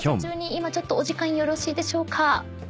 今お時間よろしいでしょうか？